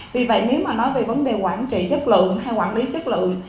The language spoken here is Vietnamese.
vì vậy nếu mà nói về vấn đề quản trị chất lượng hay quản lý chất lượng